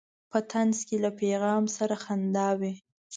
په طنز کې له پیغام سره خندا وي.